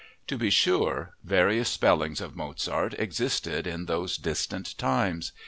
To be sure, various spellings of Mozart existed in those distant times.